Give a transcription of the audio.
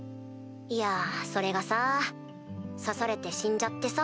いやそれがさ刺されて死んじゃってさ。